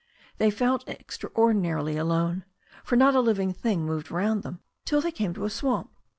They felt extraordinarily alone, for not a live thing moved round them till they came to a swamp.